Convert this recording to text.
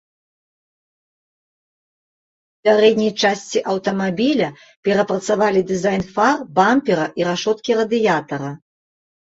У пярэдняй часці аўтамабіля перапрацавалі дызайн фар, бампера і рашоткі радыятара.